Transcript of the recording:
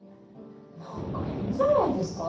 何か変じゃないですか？